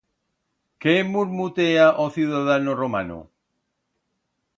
Qué murmutea o ciudadano romano?